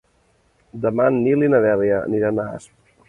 Demà en Nil i na Dèlia aniran a Asp.